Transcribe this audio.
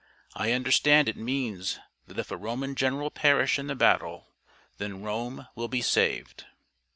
I understand it means that if a Roman general perish in the battle, then Rome will be saved."